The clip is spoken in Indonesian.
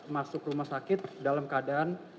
masuk rumah sakit dalam keadaan